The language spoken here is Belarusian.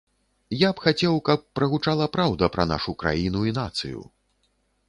Я б хацеў, каб прагучала праўда пра нашу краіну і нацыю.